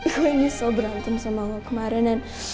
gue ini so berantem sama lo kemarin